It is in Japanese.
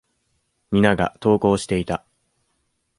皆が登校していた。